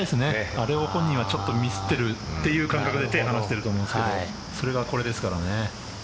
あれを本人はミスってるという感覚で手を離してると思うんですけどそれがこれですからね。